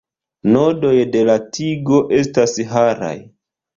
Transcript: Nodoj de la tigo estas haraj.